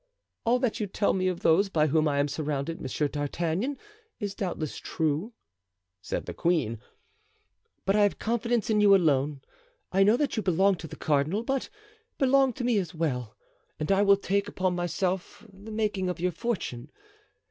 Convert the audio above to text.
"All that you tell me of those by whom I am surrounded, Monsieur d'Artagnan, is doubtless true," said the queen, "but I have confidence in you alone. I know that you belong to the cardinal, but belong to me as well, and I will take upon myself the making of your fortune.